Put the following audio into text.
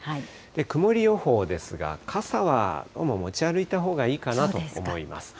曇り予報ですが、傘はきょうも持ち歩いたほうがいいかなと思います。